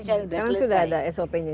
sudah ada sop nya